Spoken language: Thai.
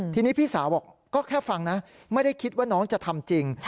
ทีนี้พี่สาวบอกก็แค่ฟังนะไม่ได้คิดว่าน้องจะทำจริง